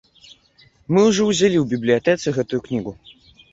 Мы ўжо ўзялі ў бібліятэцы гэтую кнігу.